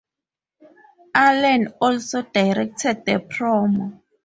Allen also directed the promo.